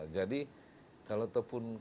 jadi kalau ataupun